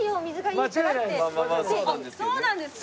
そうなんですか？